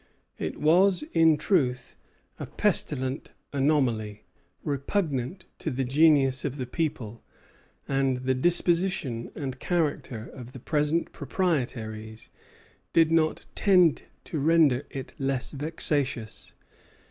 It was, in truth, a pestilent anomaly, repugnant to the genius of the people; and the disposition and character of the present proprietaries did not tend to render it less vexatious.